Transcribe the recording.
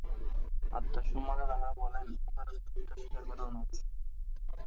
আত্মার সম্বন্ধে তাঁহারা বলেন উহার অস্তিত্ব স্বীকার করা অনাবশ্যক।